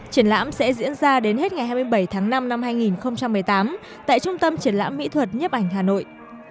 triển lãm sẽ diễn ra đến hết ngày hai mươi bảy tháng năm năm hai nghìn một mươi tám tại trung tâm triển lãm mỹ thuật nhấp ảnh hà nội